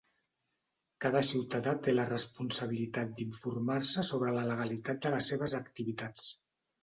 Cada ciutadà té la responsabilitat d'informar-se sobre la legalitat de les seves activitats.